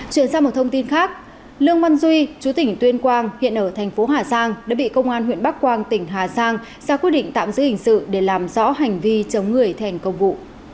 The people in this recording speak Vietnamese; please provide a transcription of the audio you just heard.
chuyển sang một thông tin khác lương văn duy chú tỉnh tuyên quang hiện ở thành phố hà giang đã bị công an huyện bắc quang tỉnh hà giang ra quyết định tạm giữ hình sự để làm rõ hành vi chống người thành công vụ